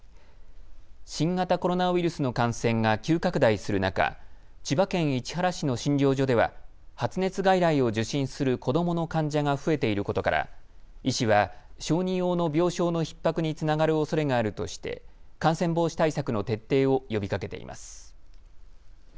新型コロナウイルスの感染が急拡大する中、千葉県市原市の診療所では発熱外来を受診する子どもの患者が増えていることから医師は小児用の病床のひっ迫につながるおそれがあるとして感染防止対策の徹底を呼びかけています。